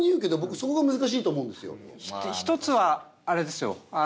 一つはあれですよ。